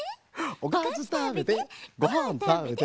おかずたべてごはんたべて」